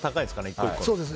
１個１個。